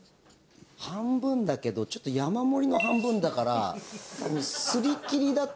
半分だけどちょっと山盛りの半分だからすりきりだと。